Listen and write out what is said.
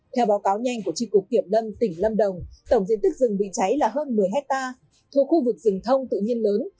theo báo cáo nhanh của tri cục kiểm lâm tỉnh lâm đồng tổng diện tích rừng bị cháy là hơn một mươi hectare thuộc khu vực rừng thông tự nhiên lớn